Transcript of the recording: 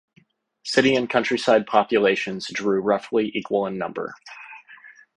City and countryside populations drew roughly equal in number.